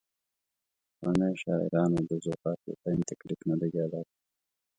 پخوانیو شاعرانو د ذوقافیتین تکلیف نه دی ګاللی.